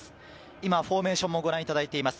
今、フォーメーションもご覧いただいています。